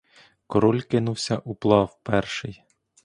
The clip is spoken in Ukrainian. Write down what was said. Король кинувся уплав перший.